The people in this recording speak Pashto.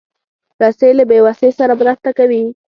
رسۍ له بېوسۍ سره مرسته کوي.